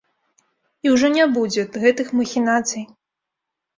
І ўжо не будзе гэтых махінацый.